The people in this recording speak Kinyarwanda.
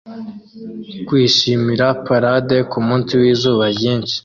Kwishimira parade kumunsi wizuba ryinshi